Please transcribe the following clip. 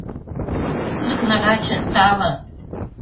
Тудо кнагаче, тале...